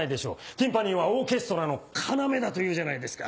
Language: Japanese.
ティンパニはオーケストラの要だと言うじゃないですか。